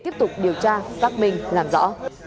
phát minh làm rõ